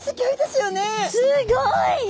すごい！